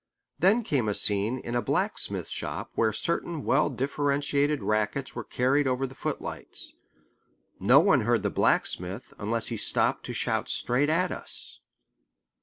Then came a scene in a blacksmith shop where certain well differentiated rackets were carried over the footlights. No one heard the blacksmith, unless he stopped to shout straight at us.